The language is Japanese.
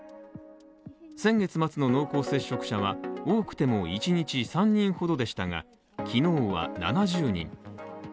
先月末の濃厚接触者は多くても１日３人ほどでしたが、昨日は７０人。